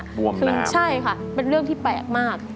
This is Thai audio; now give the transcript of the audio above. บวมน้ำใช่ค่ะเป็นเรื่องที่แปลกมาก